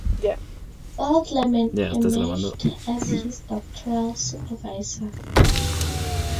Paul Clemen emerged as his doctoral supervisor.